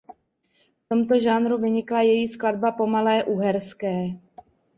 V tomto žánru vynikla její skladba "Pomalé uherské".